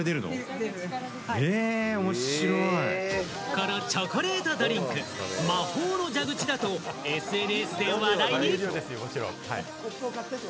このチョコレートドリンク、魔法の蛇口だと、ＳＮＳで話題に。